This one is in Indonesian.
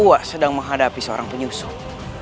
aku sedang menghadapi seorang penyusung